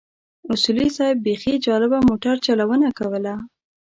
اصولي صیب بيخي جالبه موټر چلونه کوله.